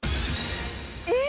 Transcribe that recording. え！